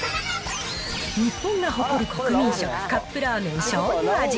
日本が誇る国民食、カップラーメンしょうゆ味。